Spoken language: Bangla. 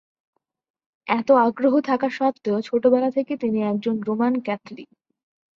এতো আগ্রহ থাকা সত্ত্বেও ছোটবেলা থেকেই তিনি একজন রোমান ক্যাথলিক।